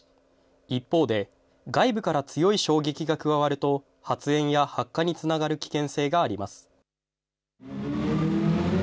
一方で、外部から強い衝撃が加わると、発煙や発火につながる危険性があります。